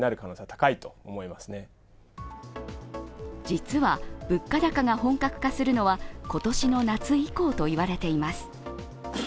実は物価高が本格化するのは今年の夏以降と言われています。